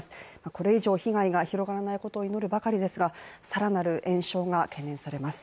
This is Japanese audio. これ以上被害が広がらないことを祈るばかりですが、更なる延焼が懸念されます。